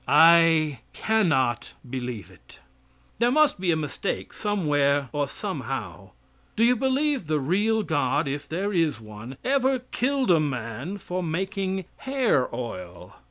I cannot believe it. There must be a mistake somewhere or somehow. Do you believe the real God if there is one ever killed a man for making hair oil?